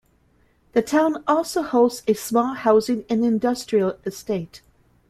The town also hosts a small housing and industrial estate.